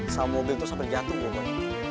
salam mobil tuh sampai jatuh gua boy